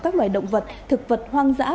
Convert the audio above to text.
các loài động vật thực vật hoang dã